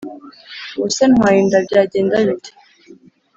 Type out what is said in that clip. ubuse ntwaye inda byagenda bite